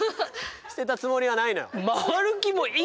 捨てたつもりはないのよ。